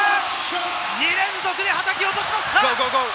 ２連続で叩き落としました！